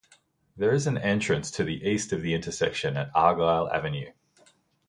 There is an entrance to the east of the intersection at Argyle Avenue.